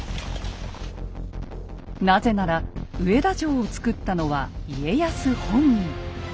なぜなら上田城を造ったのは家康本人。